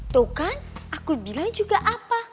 tuh kan aku bilang juga apa